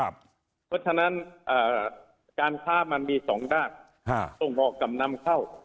เพราะฉะนั้นการค้ามันมี๒ด้านส่งออกกับนำเข้า